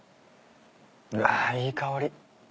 うわいい香り。